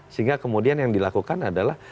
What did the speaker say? sehingga kemudian yang dilakukan adalah